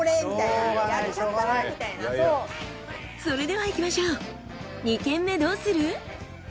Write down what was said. それではいきましょう。